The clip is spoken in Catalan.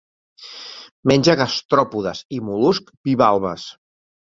Menja gastròpodes i mol·luscs bivalves.